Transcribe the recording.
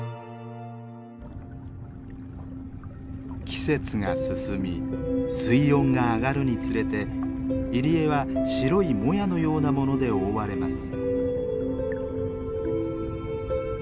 季節が進み水温が上がるにつれて入り江は白いモヤのようなもので覆われます。